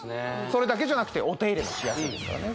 それだけじゃなくてお手入れもしやすいですからね